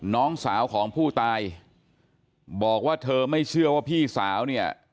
น้องสาวของผู้ตายบอกว่าเธอไม่เชื่อว่าพี่สาวเนี่ย